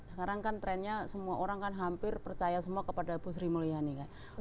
sekarang kan trennya semua orang kan hampir percaya semua kepada bu sri mulyani kan